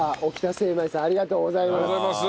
精米さんありがとうございます。